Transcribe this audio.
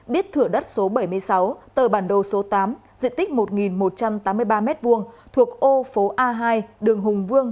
biết thửa đất số bảy mươi sáu tờ bản đồ số tám diện tích một một trăm tám mươi ba m hai thuộc ô phố a hai đường hùng vương